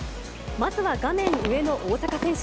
まずは画面上の大坂選手。